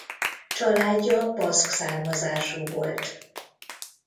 Családja baszk származású volt.